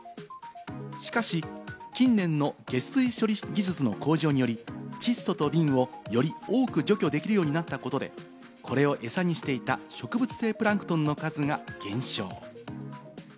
しかし近年の下水処理技術の向上により窒素とリンをより多く除去できるようになったことで、これをエサにしていた植物性プランクトンの数が減少。